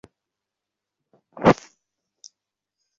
ফিরিয়ে দে এটা!